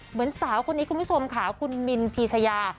เหมือนสาวคนนี้คุณผู้ชมค่ะคุณมินพีชยา